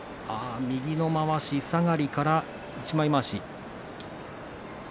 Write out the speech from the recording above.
右のまわし、下がりから一枚まわし。